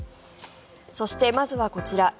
そして、まずはこちら。